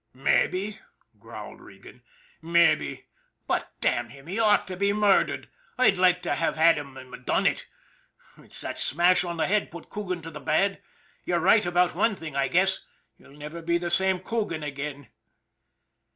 " Mabbe," growled Regan, " mabbe; but, damn him, he ought to be murdered. I'd like to have had 'em done it ! It's that smash on the head put Coogan to the bad. You're right about one thing, I guess, he'll never be the same Coogan again."